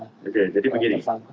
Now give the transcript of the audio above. oke jadi begini